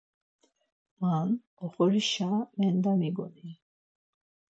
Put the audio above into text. Man oxorişa mendamiqoni.